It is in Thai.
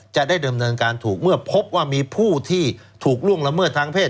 จะได้ดำเนินการถูกเมื่อพบว่ามีผู้ที่ถูกล่วงละเมิดทางเพศ